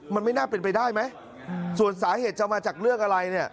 มันไม่น่าเป็นไปได้ไหมส่วนสาเหตุจะมาจากเรื่องอะไรเนี่ย